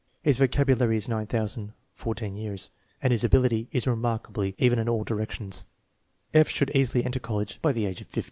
His vocabulary is 9000 (14 years), and his ability is remarkably even in all directions. F. should easily enter college by the age of 15.